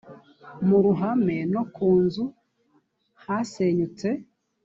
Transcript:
mu ruhame no ku nzu hasenyutse